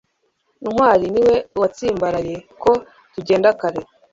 ntwali niwe watsimbaraye ko tugenda kare